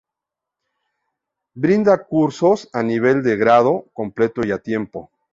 Brinda cursos a nivel de grado, completo y a tiempo.